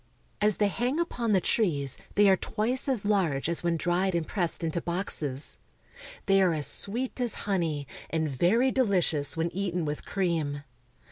As they hang upon the trees they are twice as large as when dried and pressed into boxes. They are as sweet as honey, and very deli cious when eaten with cream.